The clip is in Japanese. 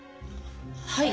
はい。